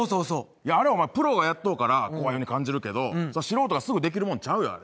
あれはプロがやっとうから怖い感じるけど、素人がすぐできるものちゃうやん。